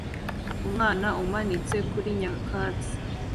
Umwana umanitse kuri nyakatsi